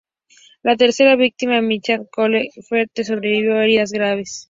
La tercera víctima, Micah David-Cole Fletcher, sobrevivió a heridas graves.